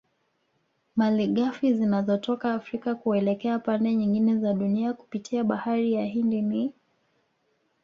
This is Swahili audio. Malighafi zinazotoka Afrika kuelekea pande nyingine za Dunia kupitia bahari ya Hindi ni